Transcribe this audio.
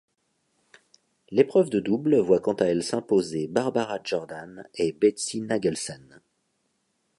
L'épreuve de double voit quant à elle s'imposer Barbara Jordan et Betsy Nagelsen.